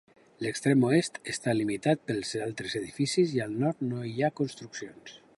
L'extrem oest està limitat pels altres edificis, i al nord no hi ha construccions.